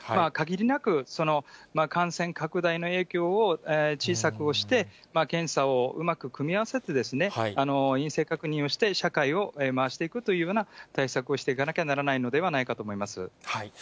かぎりなく感染拡大の影響を小さくして、検査をうまく組み合わせて、陰性確認をして、社会を回していくというような対策をしていかなきゃならないのではないかと思います。